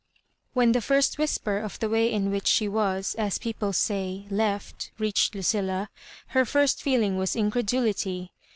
When the first whisper of the way in which she was — as people say^ left," reached Lucilla, her first feeling was incredulity.